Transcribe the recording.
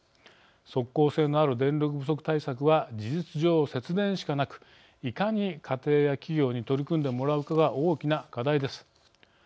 即効性のある電力不足対策は事実上、節電しかなくいかに家庭や企業に取り組んでもらうかが大きな課題です。